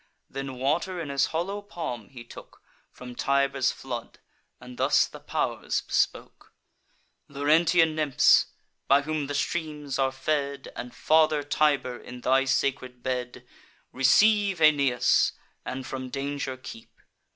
Then water in his hollow palm he took From Tiber's flood, and thus the pow'rs bespoke: "Laurentian nymphs, by whom the streams are fed, And Father Tiber, in thy sacred bed Receive Aeneas, and from danger keep.